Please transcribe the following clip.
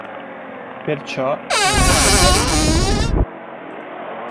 Perciò non ebbe mai rimpianti.